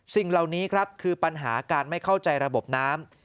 สิ่งเหล่านี้ครับคือปัญหาการไม่เข้าใจระบบน้ำ